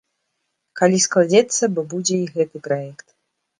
Калі складзецца, бо будзе і гэты праект.